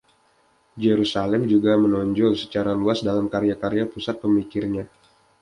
Jerusalem juga menonjol secara luas dalam karya-karya pusat pemikirnya.